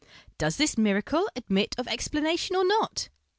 Does this miracle admit of explanation or not?